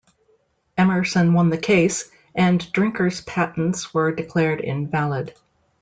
Emerson won the case, and Drinker's patents were declared invalid.